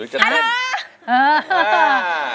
ฮัลโหล